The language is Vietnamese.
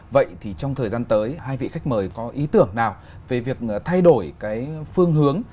vậy thì trong thời gian tới hai vị khách mời có ý tưởng nào về việc thay đổi cái phương hướng